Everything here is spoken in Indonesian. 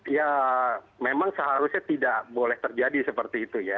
ya memang seharusnya tidak boleh terjadi seperti itu ya